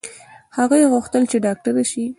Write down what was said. هغې غوښتل چې ډاکټره شي